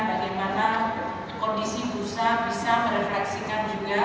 bagaimana kondisi bursa bisa merefleksikan juga